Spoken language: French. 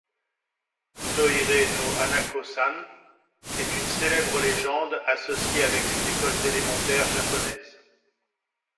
Toire no Hanako-san est une célèbre légende associée avec les écoles élémentaires japonaises.